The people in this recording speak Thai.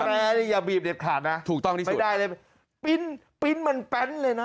แต่อย่าบีบเด็ดขาดนะถูกต้องนี้ไม่ได้เลยปิ๊นปิ๊นมันแป๊นเลยนะ